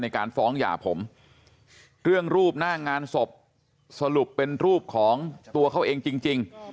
ในการฟ้องหย่าผมเรื่องรูปหน้างานศพสรุปเป็นรูปของตัวเขาเองจริง